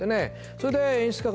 それで演出家から